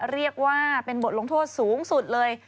เรียกว่าเป็นบทลงโทษสูงสุดเลย